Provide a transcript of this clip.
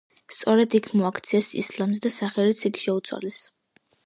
სწორედ იქ მოაქციეს ისლამზე და სახელიც იქვე შეუცვალეს.